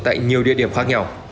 tại nhiều địa điểm khác nhau